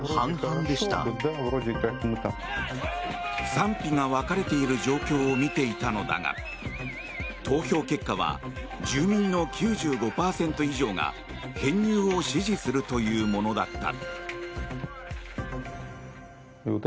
賛否が分かれている状況を見ていたのだが投票結果は住民の９５％以上が編入を支持するというものだった。